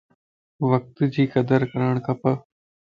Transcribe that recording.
وقت جي قدر ڪرڻ کپ